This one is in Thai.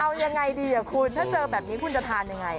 เอายังไงดีคุณถ้าเจอแบบนี้คุณจะทานยังไง